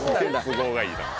都合がいいな。